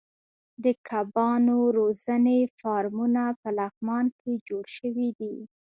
د کبانو روزنې فارمونه په لغمان کې جوړ شوي دي.